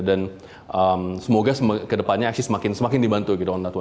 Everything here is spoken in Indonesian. dan semoga kedepannya actually semakin dibantu gitu